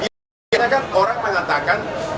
mungkin kan orang mengatakan